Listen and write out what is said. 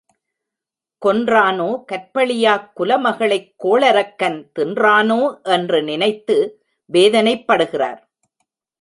கொன்றானோ கற்பழியாக் குலமகளைக் கோளரக்கன் தின்றானோ என்று நினைத்து வேதனைப்படுகிறார்.